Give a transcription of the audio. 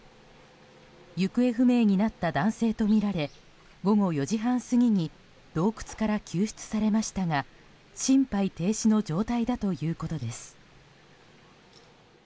行方不明になった男性とみられ午後４時半過ぎに洞窟から救出されましたが心肺停止の状態だということです。